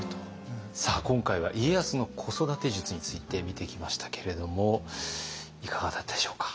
さあ今回は家康の子育て術について見てきましたけれどもいかがだったでしょうか？